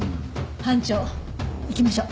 班長行きましょう。